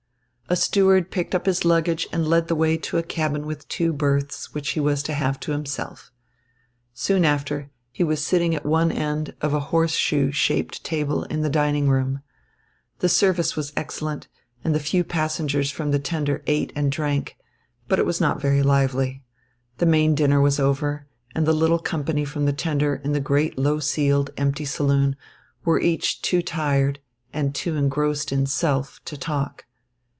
A steward picked up his luggage and led the way to a cabin with two berths, which he was to have to himself. Soon after, he was sitting at one end of a horseshoe shaped table in the dining room. The service was excellent, and the few passengers from the tender ate and drank; but it was not very lively. The main dinner was over, and the little company from the tender in the great, low ceiled, empty saloon, were each too tired and too engrossed in self to talk.